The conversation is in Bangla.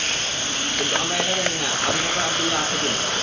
কিন্তু আমরা এটা জানি না আবু বকর আবদুল্লাহ আছে কি না।